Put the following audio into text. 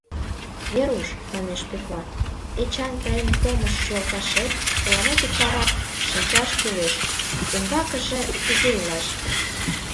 — Веруш, — манеш Пӧкла, — Эчан — тыйын помыш йолташет, тыланет утларак шинчаш кӱлеш: умбакыже кузе илаш?